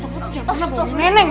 mama tuh gak pernah bohong neneng ya